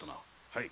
はい。